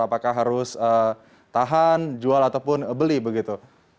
apakah harus tahan jual ataupun beli begitu